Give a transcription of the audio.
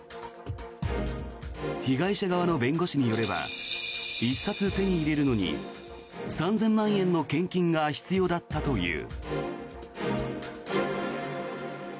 被害者側の弁護士によれば１冊手に入れるのに３０００万円の献金が必要だったという。